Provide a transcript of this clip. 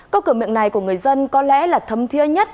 câu cửa miệng này của người dân có lẽ là thấm thiế nhất